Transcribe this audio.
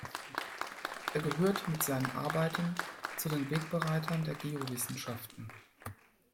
Er gehört mit seinen Arbeiten zu den Wegbereitern der Geowissenschaften.